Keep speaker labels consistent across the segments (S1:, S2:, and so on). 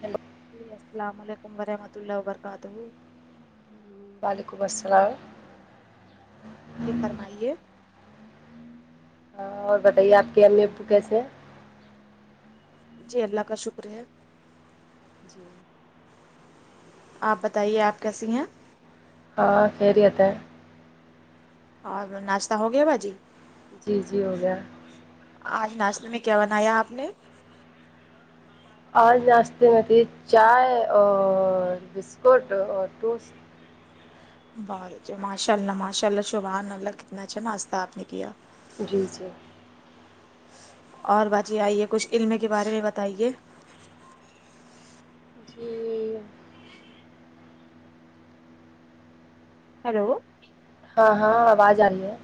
S1: hello
S2: جی السلام علیکم ورحمتہ اللہ وبرکاتہ
S1: وعلیکم السلام
S2: جی فرمائیے
S1: ہاں اور بتائیے آپ کے امی ابو کیسے ہیں
S2: جی اللہ کا شکر ہے
S1: جی
S2: آپ بتائیے آپ کیسی ہیں
S1: ہاں آپ خیریت ہیں
S2: اور ناشتہ ہو گیا باجی
S1: جی جی ہو گیا
S2: آج ناشتے میں کیا بنایا آپ نے
S1: آج ناشتے میں تھی چائے اور بسکٹ اور ٹوس
S2: بہت اچھے ماشاء اللہ ماشاء اللہ شبحان اللہ کتنا اچھا ناشہ آپ نے کیا
S1: جی جی
S2: اور باجی آئیے کچھ علم کے بارے میں بتائیے
S1: جی
S2: ہلو
S1: ہاں ہاں آواز آ رہی ہے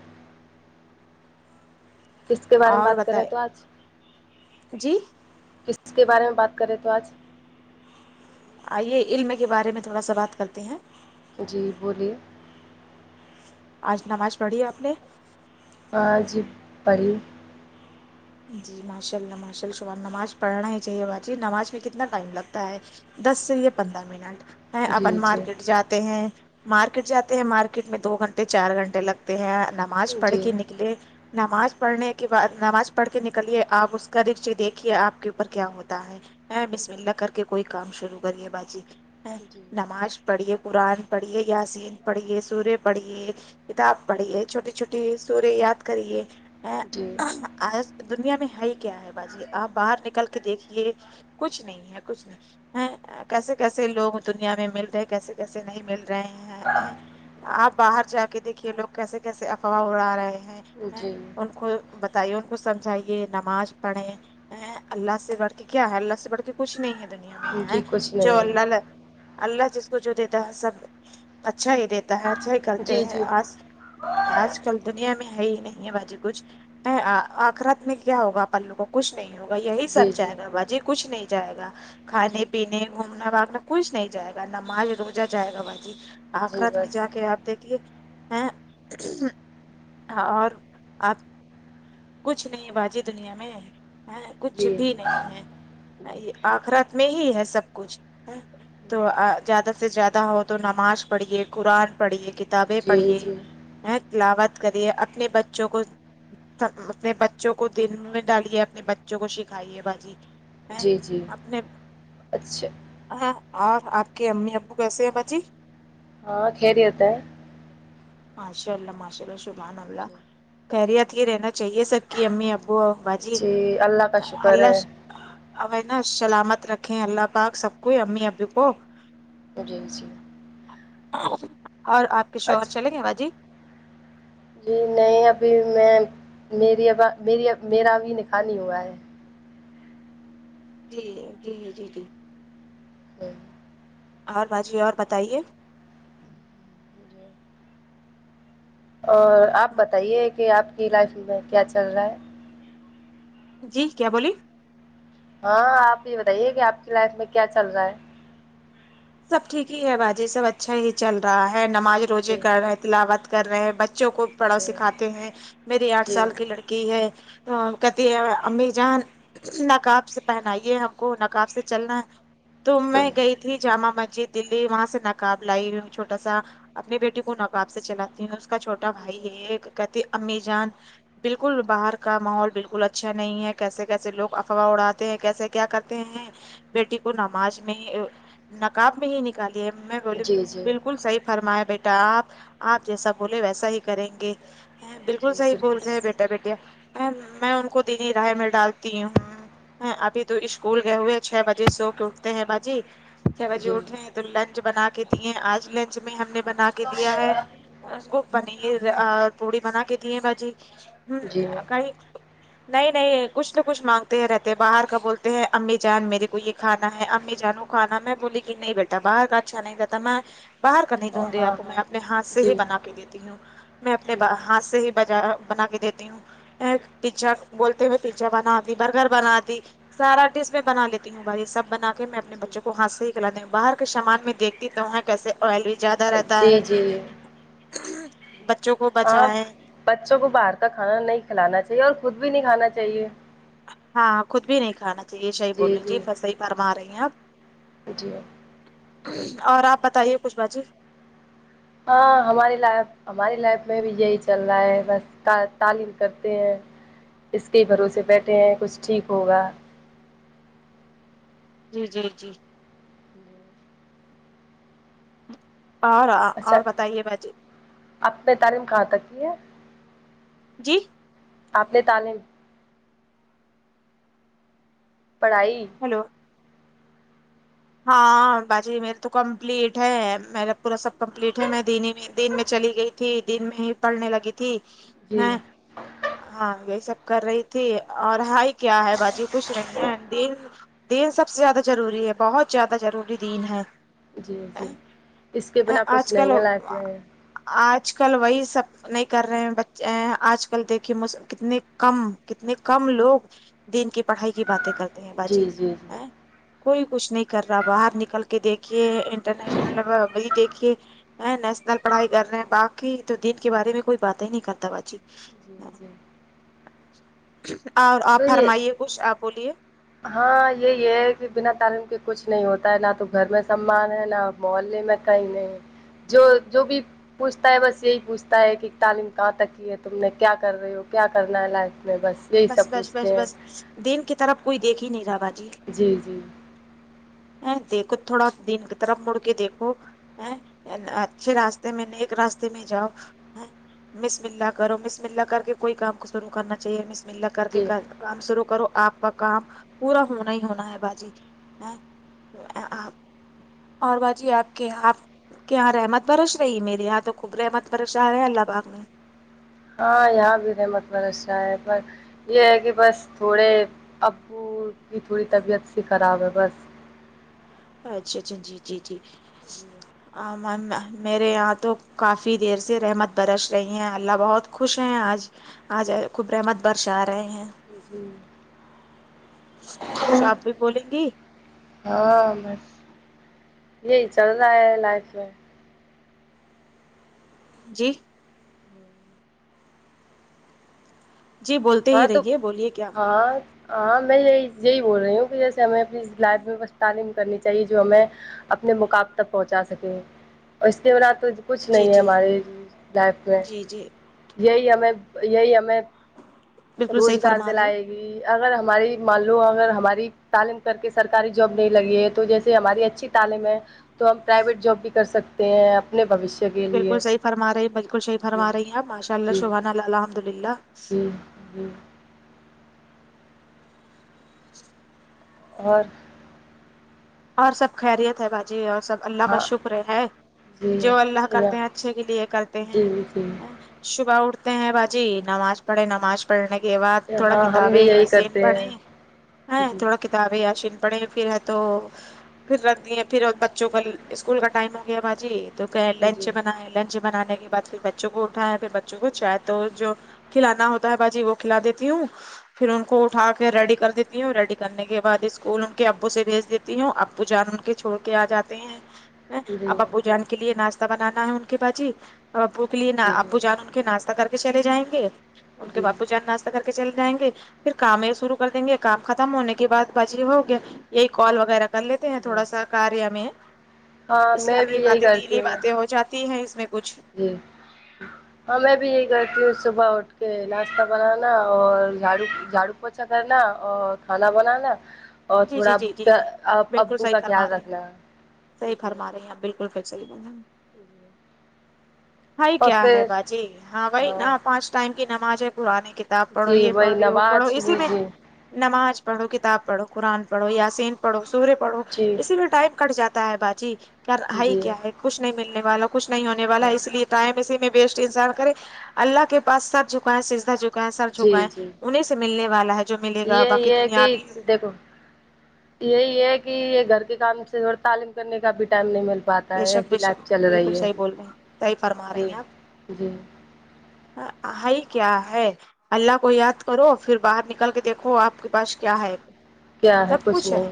S1: کس کے بارے میں
S2: اور
S1: بات کر رہے ہیں
S2: بتائے
S1: تو آج
S2: جی
S1: کس کے بارے میں بات کرے تو آج
S2: آئیے علم کے بارے میں تھوڑا سا بات کرتے ہیں
S1: جی بولیے
S2: آج نماز پڑھی آپ نے
S1: آج پڑی
S2: جی ماشاء اللہ ماشا للہ سبحان نماز پڑھنا ہی چاہیے باجی نماز میں کتنا ٹائم لگتا ہے دس سے یہ پندرہ منٹ میں
S1: جی
S2: اپن
S1: جی
S2: مارکیٹ جاتے ہیں مارکیٹ جاتے ہیں مارکیٹ میں دو گھنٹے چار گھنٹے لگتے ہیں نماز پڑھ
S1: جی
S2: کے نکلے نماز پڑھنے کے بعد نماز پڑھ کے نکلیے آپ اس کا رزق دیکھیے آپ کے اوپر کیا ہوتا ہے ا بسم اللہ کر کے کوئی کام شروع کرئیے باجی ا نماز پڑھیے قرآن پڑھیے یسین پڑھیے سورے پڑھیے کتاب پڑھیے چھوٹے چھوٹی سورے یاد کریے ہیں
S1: جی
S2: آج دنیا میں ہے ہی کیا ہے باجی آپ باہر نکل کے دیکھیے کچھ نہیں ہے کچھ نہیں ہیں کیسے کیسے لوگ دنیا میں مل رہے کیسے کیسے نہیں مل رہے ہیں ہں آپ باہر جا کے دیکھیے لوگ کیسے کیسے افواہ اڑا رہے ہیں
S1: جی
S2: ان کو ب تائی ان کو سمجھائیے نماز پڑھے ا اللہ سے بڑھ کے کیا ہے اللہ سے بڑھ کے کچھ نہیں ہے دنیا میں ہے
S1: جی کچھ
S2: جو
S1: نہیں
S2: اللہ
S1: ہے
S2: لا اللہ جس کو جو دیتا ہے سب اچھا ہی دے تا ہے اچھا ہی کرتے
S1: جی
S2: ہیں
S1: جی
S2: آج آج کل دنیا میں ہے ہی نہیں ہے باجی کچھ ا آخرت میں کیا ہوگا اپن لوگوں کو کچھ نہیں ہوگا یہی
S1: جی
S2: سچ ہے
S1: جی
S2: نہ باجی کچھ نہیں جائے گا
S1: جی
S2: کھانے پینے گھومنا واگنا کچھ نہیں جائے گا نماز روزہ جائے گا باجی
S1: جی
S2: آخرت میں جا
S1: بس
S2: کے آپ دیکھیے ا اور آپ کچھ نہیں باجی دنیا میں ہے کچھ
S1: جی
S2: بھی نہیں ہے یہ آخرات میں ہی ہے سب کچھ تو زیادہ سے زیادہ ہو تو نماز پڑھیے قرآن پڑھیے کت ابیں
S1: جی
S2: پڑھیے
S1: جی
S2: ا تلاوت کریے اپنے بچوں کو اپنے بچوں کو دل میں ڈالیے اپنے بچوں کو سکھائیے باجی ہے
S1: جی جی
S2: اپنے
S1: اچھا
S2: ہاں اور آپ کے امی ابو کیسے ہیں باچی
S1: ہاں خیریت ہے
S2: ماشاء اللہ ماشاء اللہ شبحان اللہ
S1: جی جی
S2: خیریت ہی رہنا چاہیے سبکی امی ابو اور باجی
S1: جی اللہ کا شکر ہے
S2: اللہ اب ہے نا سلامت رکھیں اللہ پاک سب کوئی امی ابو کو
S1: تو جی جی
S2: اور آپ کے شوہر
S1: اچھا
S2: چلیں گے باجی
S1: جی نہیں ابھی میں میری اب میری میرا ابھی نکاح نہیں ہوا ہے
S2: جی جی جی جی
S1: ہمم
S2: اور باجی اور بتائیے
S1: اور آپ بتائیے کہ آپ کی لائف میں کیا چل رہا ہے
S2: جی کیا بولیے
S1: ہاں آپ یہ بتائیے کہ آپ کی لائف میں کیا چل رہا ہے
S2: سب ٹھیک ہی ہے باجی سب اچھا ہی چل رہا ہے نماز روزے
S1: جی
S2: کر رہے ہیں تلاوت کر رہے ہیں ب چوں کو پڑھاؤ
S1: جی
S2: سکھاتے ہیں میری آٹھ
S1: جی
S2: سال کی لڑ کی ہے تو کتی امی جان نقاب سے پہنائیے ہم کو نقاب سے چلنا ہے تو میں گئی تھی جامع مسجد دلی وہاں سے نقاب لائی ہوئی ہوں چھوٹا سا اپنی بیٹی کو نقاب سے چلاتے ہوں کا چھوٹا بھائی یہی ہے کہتے امی جان بالکل باہر کا ماحول بالکل اچھا نہیں ہے کیسے کیسے لوگ افواہ اڑاھاتے ہیں کیسے کیا کرتے ہیں بیٹی کو نماز میں نقاب میں ہی نکالیے میں بولی
S1: جی جی جی
S2: بالکل صحیح فرمایا بیٹا آپ آپ جیسا بولے ویسا ہی کریں گے بالکل صحیح بول رہے ہیں بیٹا بیٹیا میں میں ان کو دینی رائے میں ڈالتی ہوں ابھی تو اشکول گئے ہوئے چھ بجے سو کے اٹھتے ہیں باجی چھ بجے
S1: جی
S2: اٹھے ہیں تو لنچ بنا کے دیے آج لنچ میں ہم نے بنا کے دیا ہے اس کو پنیر پوڑی بنا کے دیے باجی
S1: جی
S2: کئی نہیں نہیں کچھ نہ کچھ مانگتے ہیں رہتے باہر کا بولتے ہیں امی جان میرے کو یہ کھانا ہے امی جان وہ کھانا میں بولی کہ نہیں بیٹا باہر کا اچھا نہیں رہتا میں باہر کا نہیں دوں
S1: ہاں
S2: گی
S1: ہاں
S2: آپ کو
S1: ہاں
S2: میں اپنے ہاتھ سے
S1: جی
S2: ہی بنا کے دیتی ہوں میں اپنے
S1: جی
S2: ہاتھ سے ہی بجا بنا کے دیتی ہوں پیزا بولتے ہوئے پیزا بنا دی برگر بنا دی سارا ڈش میں بنا لیتی ہوں بھائی سب بنا کے میں اپنے
S1: جی
S2: بچوں کو ہاتھ سے ہی باہر کے سامان میں دیکھتی تو کیسے آئلی زیادہ رہتا ہے
S1: جی جی
S2: بچوں کو
S1: ہاں
S2: بچائیں
S1: بچوں کو باہر کا کھانا نہیں کھلانا چاہیے اور خود بھی نہیں کھانا چاہیے
S2: ہاں خود بھی نہیں کھانا چاہیے شهیح بول رہے جی صحیح فرما رہی ہیں آپ
S1: جی ہے
S2: اور آپ بتائیے کچھ باجی
S1: ہاں ہمارے لائق ہماری لائف میں بھی یہی چل رہا ہے بس تا تعلیم کرتے ہیں اس کے بھروسے بیٹھے ہیں کچھ ٹھیک ہوگا
S2: جی جی جی اور
S1: اچھا
S2: اور بتائیے باجی
S1: آپ نے تعلیم کہاں تک کی ہے
S2: جی
S1: اپنے تعلیم پڑھائی
S2: ہیلو ہاں ہاں باجی میرے تو کمپلیٹ ہے میرا پورا سب کمپلیٹ ہے میں دین ہی میں دین میں چلی گئی تھی دین میں ہی پڑنے لگی تھی
S1: جی
S2: ہیں ہاں یہی سب کر رہی تھی اور ہائی کیا ہے باجی خش نہیں ہیں دین دین سب سے زیادہ ضروری ہے بہت زیادہ ضروری دین ہے
S1: جی جی اس کے بنا کچھ
S2: آج
S1: نہیں ہے
S2: کل
S1: لائف میں
S2: آج کل وہی سب نہیں کر رہے ہیں بچے آج کل دیکھیے م کتنے کم کتنے کم لوگ دین کی پڑھائی کی باتیں کرتے ہیں
S1: جی
S2: باجی
S1: جی
S2: ا
S1: جی
S2: کوئی کچھ نہیں کر رہا باہر نکل کے دیکھیے انٹرنیشنل لے وہی دیکھیے نیسنل پڑھائی کر رہے ہیں باقی تو دین کے بارے میں کوئی بات ہی نہیں کرتا باچی
S1: جی جی
S2: اور
S1: تو
S2: آپ
S1: یہ
S2: فرمائیے کچھ آپ بولیے
S1: ہاں یہی ہیں کہ بنا تعلیم کے کچھ نہیں ہوتا ہے نہ تو گھر میں سمان ہے نہ محلے میں کہیں نہیں جو جو بھی پوچھتا ہے بس یہی پوچھتا ہے کہ تعلیم کہاں تک کی ہے تم نے کیا کر رہی ہو کیا کرنا ہے لائف میں بس یہی سب
S2: بس بس
S1: پوچھتے ہیں
S2: بس دین کی طرف کوئی دیکھ ہی نہیں رہا باجی
S1: جی جی
S2: ا دیکھو تھوڑا دین کی طرف مڑ کے دیکھو ہے اچھے راستے میں نیک راستے میں جاؤ مس ملا کرو مس ملا کر کے کوئی کام کو شروع کرنا چاہیے مس مللا کر کے
S1: جی
S2: کام شروع کرو آپ کا کام پورا ہونا ہی ہونا ہے باجی آ اور باجی آپ کے آپ کہ یہاں رحمت برش رہی ہے میرے یہاں تو خوب رحمت برش رہا ہیں اللہ پاک نے
S1: ہاں یہاں بھی رحمت برس ہے پر یہ ہے کہ بس تھوڑے ابو کی تھوڑی طبیعت سی خراب ہے بس
S2: اچھا اچھا اچھا جی جی جی
S1: جی
S2: ہہ من میرے یہاں تو کافی دیر سے رحمت برش رہی ہیں اللہ بہت خوش ہیں آج آ جائے خب رحمت برش آ رہے ہیں
S1: جی
S2: کچھ آپ بھی بولیں گی
S1: ہاں بس یہی چل رہا ہے لائف میں
S2: جی جی بولتے
S1: ہاں
S2: ہی
S1: تو
S2: رہیے بولیے کیا
S1: ہاں ہاں میں یہ یہی بول رہی ہوں کہ جیسے ہمیں اپنی لائب میں بس تعلیم کرنی چاہیے جو ہمیں اپنے مقاب تک پہنچا سکیں اور اس لی بورات تو کچھ
S2: جی
S1: نہیں ہے
S2: جی
S1: ہماری لائف میں
S2: جی جی
S1: یہی ہمیں یہی ہمیں
S2: بالکل صحیح
S1: روزگار د
S2: فرما رہی
S1: لائے گ اگر ہماری مان لوم اگر ہماری تعلیم کر کے سرکاری جاب نہیں لگی ہے تو جیسے ہماری اچھی تعلیم ہے تو ہم پرائیویٹ جاب بھی کر سکتے ہیں اپنے بوشیہ
S2: بالکل صحیح فرما رہی ہیں بالکل صحیح فرما رہی آپ ماشاء اللہ
S1: جی
S2: شبان الحمد للہ
S1: جی جی اور
S2: اور سب خیریت ہے باجی اور سب اللہ کا
S1: ہاں
S2: شکر ہے
S1: جی
S2: جو اللہ
S1: یا
S2: کرتے ہیں اچھے کے لیے کرتے ہیں
S1: جی جی
S2: شعبہ اٹھتے ہیں باجی نماز پڑے نماز پڑھنے کے بعد تھوڑا
S1: ہاں ہم بھی
S2: کتابیں
S1: یہی
S2: یاسین
S1: کرتے
S2: پڑھے
S1: ہیں جی
S2: تھوڑا ک کتاب یاشین پڑھے پھر ہے تو پھر رکھ دیے پھر بچوں کا اسکول کا ٹائم ہو گیا باجی تو کہ
S1: جی جی
S2: لنچ بنائے لنچ بنانے کے بعد پھر بچوں کو اٹھایا پھر بچوں کو چائے توسط کھلانا ہوتا ہے باجی وہ کھلا دیتی ہوں پھر ان کو اٹھا کے ریڈی کر دیتی ہوں ریڈی کرنے کے بعد اسکول ان کے ابو سے بھیج دیتی تی ہوں ابو جان ان کے چھوڑ کے آ جاتے ہیں
S1: جی
S2: اب اپو جان کے لیے ناستے ناشہ بنانا ہے ان کے باجی اور ابو کے لیے
S1: جی
S2: ابو جان ان کے ناشہ کر کے چلے جائیں گے ان کے
S1: جی
S2: باپو جاننا کر کے چل جائیں گے پھر کام یہ شرو کر دیں گے کام ختم ہونے کے بعد بعج یہ ہو گیا یہی کال ہو کر لیتے ہیں تھوڑا سا کاریہ میں
S1: ہاں میں
S2: اسلامی
S1: بھی یہی
S2: باتیں
S1: کرتی
S2: دینی باتیں ہو جاتی تی ہے اس میں کچھ
S1: ہوں ہاں میں بھی یہی کرتی ہوں صبح اٹھ کے ناشتہ بنانا اور جھاڑ جھاڑو پوچا کرنا او کھانا بنانا اور
S2: جی جی
S1: تھوڑا
S2: جی جی
S1: ا
S2: جی
S1: آب
S2: بالکل
S1: ابو
S2: صحیح
S1: کا
S2: فرما
S1: خیال
S2: رہے
S1: رکھنا جی
S2: ففیکٹ س ہ
S1: جیی
S2: بھائی کیا ہے باجی ہاں بھائی نہ پانچ ٹائم کی نماز ہے پرانے کے کتاب پڑھو
S1: جی
S2: یہ
S1: وہی
S2: پڑھو یہ وہ پڑھو
S1: نواز
S2: اسی
S1: جی
S2: میں
S1: جی
S2: نماز پڑھو کتاب پڑھو قرآن پڑھو یاسین پڑھو سورے پڑھو
S1: جی
S2: اسی لیے ٹائم کٹ جاتا ہے باجی کیا ہائی
S1: جی
S2: کیا ہے کچھ نہیں ملنے والوں کو کچھ نہیں ہونے والا
S1: ہاں
S2: ہے اس لیے ٹائم اسی میں بیسٹ انسان کرے اللہ کے پا سد جھکائیں سیدھا جھک سرچ ہو
S1: جی
S2: گا ہے
S1: جی
S2: انہیں سے ملنے والا ہے جو ملے گا
S1: یہ
S2: باقی
S1: یہ کہ
S2: دنیابی
S1: دیکھو یہی ہے کہ یہ گھر کے کام سے تعلیم کرنے کا بھی ٹائم نہیں مل پاتا
S2: بے
S1: ہے
S2: شک
S1: ایسی
S2: بے
S1: لائف
S2: شک
S1: چل
S2: بالکل
S1: رہی ہے
S2: صحیح بول رہے ہیں صحیح فرما رہی
S1: جی
S2: ہیں آپ
S1: جی
S2: ہائی کیا ہے اللہ کو یاد کرو پھر باہر نکل کے دیکھو آپ کے پاس کیا ہے سب کچھ ہے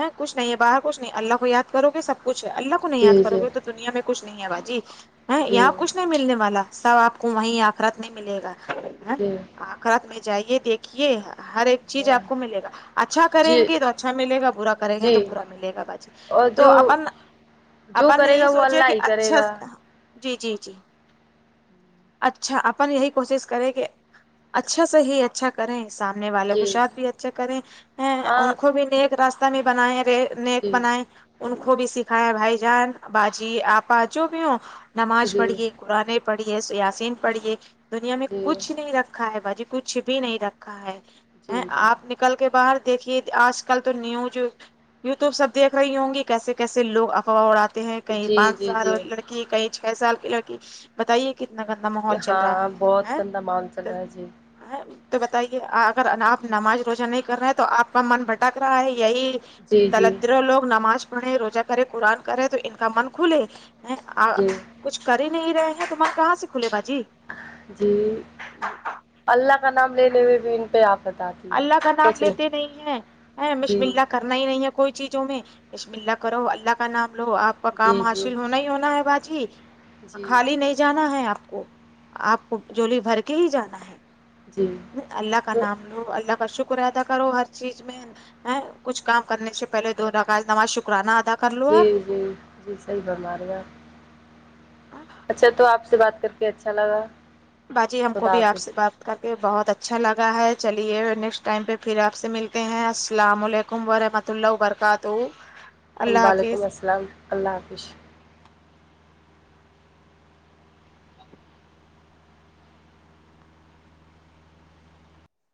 S2: یں کچھ نہیں ہے باہر کچھ نہیں اللہ کو یاد کرو گے سب کچھ ہے اللہ کو نہیں یاد
S1: جی
S2: کرو
S1: جی
S2: گے تو دنیا میں کچھ نہیں ہے باجی ہے
S1: جی
S2: یااں کچھ تو نہیں ملنے والا سب آپ کو وہی آخرت میں ملے گا
S1: جی
S2: کھات میں جائیے دیکھیے ہر ایک چیز
S1: ہاں
S2: آپ کو ملےگا اچھا کریں
S1: جی
S2: گے تو اچھا ملے گا برا کریں گے
S1: جی
S2: تو برا ملے گا باجی
S1: اور
S2: تو
S1: جو
S2: اپن
S1: جو
S2: اپن
S1: کرے
S2: یہ
S1: گا وہ
S2: سوچے
S1: اللہ
S2: کہ
S1: ہی کرے
S2: اچھا
S1: گا
S2: جی جی جی اچھا اپن یہی کوشش کریں کہ اچھا سے ہی اچھا کریں سامنے والے کو
S1: جی
S2: شاتھ بھی اچھے کریں
S1: ہاں
S2: ان کو بھی نیک راستہ میں بنائے رے نیک
S1: جی
S2: بنائے ان کو بھی سکھائے بھائی جان باجی آپا جو بھی ہو نماز
S1: جی
S2: پڑھیے قرآنے پڑھیے یسین پڑھیے دنیا میں
S1: جی
S2: کچھ نہیں رکھ ا ہے باجی کچھ بھی نہیں رکھا ہے
S1: جی
S2: ہں آپ نے
S1: جی
S2: کل کے باہر دیکھیے آج کل تو نیوز یو ٹیوب سب دیکھ رہی ہوں گی کیسے کیسے سے لوگ افواہ اڑاتے ہیں کہیں
S1: جی
S2: پانچ
S1: جی
S2: سال
S1: جی
S2: لڑکی کہیں چھ سال کی لڑکی بتائیے کتنا گندا ماحول چل رہا
S1: ہاں
S2: ہے
S1: بہت
S2: ہاں
S1: گندا ماحول چل
S2: د
S1: رہا ہے جی
S2: تو بتائیے اگر آپ نماز روزہ نہیں کر رہے ہیں تو آپ کا من بھٹک رہا ہے یہی
S1: جی جی
S2: دلدرو لوگ نماز پڑھے روزہ کرے قرآن کرے تو ان کا من کھلے ا
S1: جی
S2: کچھ کر ہی نہیں رہے ہیں تو من کہاں سے کھلے باجی
S1: جی اللہ کا نام لینے میں بھی ان پہ آفات آ
S2: اللہ کا نام لیتے نہیں ہے ہیں یں
S1: جی
S2: بسم اللہ کرنا ہی نہیں ہے کوئی چیزوں میں بسم اللہ کرو اللہ کا نام لو آپ کا کام
S1: جی جی
S2: حاصل ہونا ہی ہونا ہے باجی
S1: جی
S2: خالی نہیں جانا ہے آپ کو آپ کو جھولی بھر کے ہی جانا ہے
S1: جی
S2: اللہ کا
S1: تو
S2: نام لو اللہ کا شک ر ادا کرو ہر چیز میں ہیں کچھ کام کرنے سے پہلے دو رکعت نماز شکرانہ ادا کر لو
S1: جی
S2: آپ
S1: جی جی صحیح فرما رہی آپ
S2: آ
S1: اچھا تو آپ سے بات کر کے اچھا لگا
S2: باجی ہم کو
S1: خدا
S2: بھی آپ سے
S1: حافظ
S2: بات کر کے بہت اچھا لگا ہے چلیے نیکسٹ ٹائم پہ پھر آپ سے ملتے ہیں السلام علیکم ورحمت اللہ و برکاتہ
S1: وعلیکم السلام اللہ حافظ